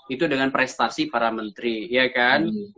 itu dengan prestasi para menteri ya kan